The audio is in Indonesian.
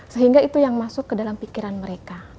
sehingga itu yang masuk ke dalam pikiran mereka